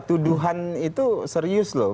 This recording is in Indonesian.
tuduhan itu serius loh